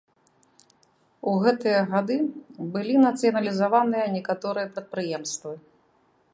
У гэтыя гады былі нацыяналізаваныя некаторыя прадпрыемствы.